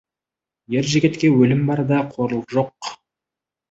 Ер жігітке өлім бар да, қорлық жоқ.